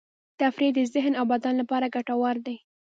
تفریح د ذهن او بدن لپاره ګټور دی.